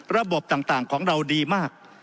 ระบบต่างของเราดีมาก